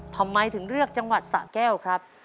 ทำไมถึงเลือกจังหวัดสะแก้วครับ